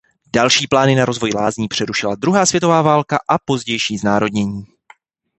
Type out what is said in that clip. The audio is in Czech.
Další plány na rozvoj lázní přerušila druhá světová válka a pozdější znárodnění.